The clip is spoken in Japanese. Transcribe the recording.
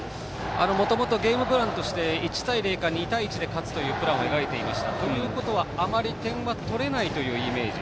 もともとゲームプランとして１対０か２対１で勝つというイメージを描いていましたということはあまり点は取れないというイメージ。